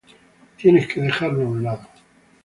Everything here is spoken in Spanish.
Tienes que dejarlo a un lado.